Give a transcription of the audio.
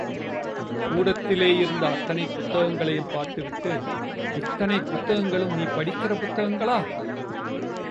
கூடத்திலேயிருந்த அத்தனை புத்தகங்களையும் பார்த்துவிட்டு, இத்தனை புத்தகங்களும் நீ படிக்கிற புத்தகங்களா?